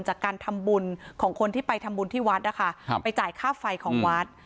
จากการทำบุญของคนที่ไปทำบุญที่วัดนะคะไปจ่ายค่าไฟของวัด